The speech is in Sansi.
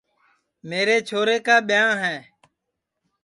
میرے چھورے کُا ٻیاں ہے